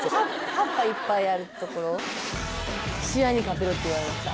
葉っぱいっぱいあるところ「試合に勝てる」って言われました